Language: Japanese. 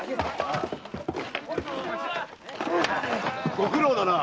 ・ご苦労だな。